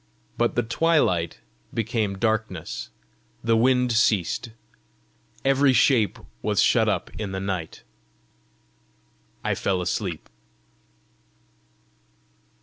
But the twilight became darkness; the wind ceased; every shape was shut up in the night; I fell asleep.